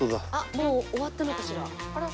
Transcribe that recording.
もう終わったのかしら？